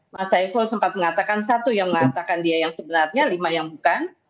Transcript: mas saiful sempat mengatakan satu yang mengatakan dia yang sebenarnya lima yang bukan